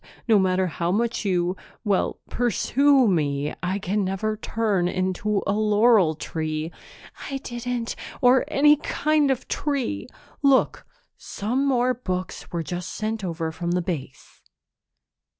No matter how much you well, pursue me, I can never turn into a laurel tree." "I didn't " "Or any kind of tree! Look, some more books were just sent over from Base."